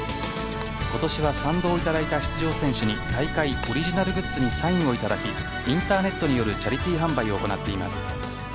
今年は賛同いただいた出場選手に大会オリジナルグッズにサインをいただきインターネットによるチャリティ販売を行っています。